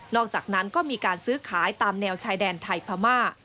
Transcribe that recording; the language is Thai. อกจากนั้นก็มีการซื้อขายตามแนวชายแดนไทยพม่า